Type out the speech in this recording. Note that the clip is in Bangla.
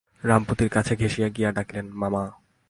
রমাপতির কাছে ঘেঁষিয়া গিয়া ডাকিলেন, মামা।